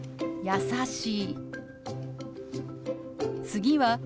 優しい。